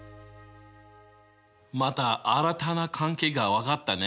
また新たな関係が分かったね。